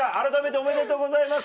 おめでとうございます。